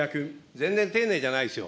全然丁寧じゃないですよ。